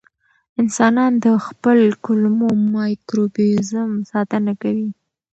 انسانان د خپل کولمو مایکروبیوم ساتنه کوي.